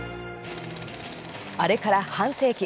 あれから半世紀。